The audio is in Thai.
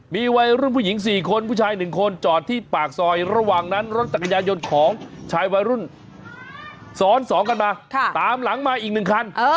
มีวัยรุ่นผู้หญิง๔คนผู้ชาย๑คนจอดที่ปากซอยระหว่างนั้นรถจักรยายนต์ของชายวัยรุ่นซ้อน๒กันมาตามหลังมาอีก๑คัน